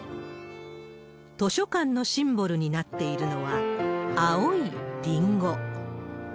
図書館のシンボルになっているのは、青いりんご。